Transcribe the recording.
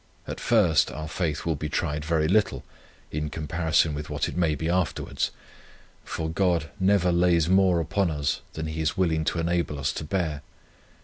At first our faith will be tried very little in comparison with what it may be afterwards; for God never lays more upon us that He is willing to enable us to bear.